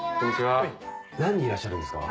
何人いらっしゃるんですか？